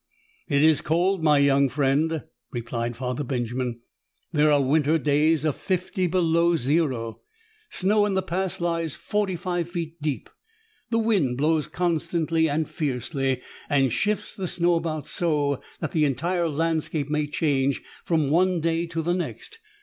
"It is cold, my young friend," replied Father Benjamin. "There are winter days of fifty below zero. Snow in the Pass lies forty five feet deep. The wind blows constantly and fiercely and shifts the snow about so that the entire landscape may change from one day to the next.